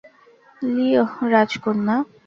লিহ, রাজকন্যা।